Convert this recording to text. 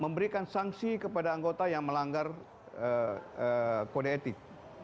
memberikan sanksi kepada anggota yang melanggar kode etik